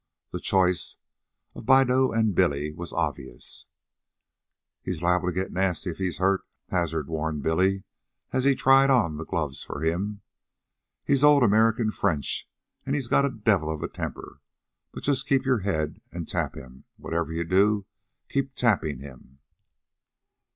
The choice of Bideaux and Billy was obvious. "He's liable to get nasty if he's hurt," Hazard warned Billy, as he tied on the gloves for him. "He's old American French, and he's got a devil of a temper. But just keep your head and tap him whatever you do, keep tapping him."